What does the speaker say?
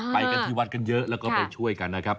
ไปกันที่วัดกันเยอะแล้วก็ไปช่วยกันนะครับ